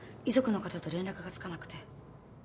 遺族の方と連絡がつかなくて。